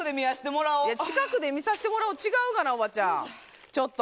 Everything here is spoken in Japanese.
近くで見させてもらおって違うがなおばちゃん。